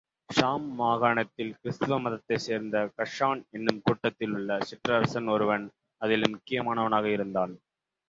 ஷாம் மாகாணத்தில் கிறிஸ்துவ மதத்தைச் சேர்ந்த கஸ்ஸான் என்னும் கூட்டத்திலுள்ள சிறறரசன் ஒருவன் அதில் முக்கியமானவனாக இருந்தான்.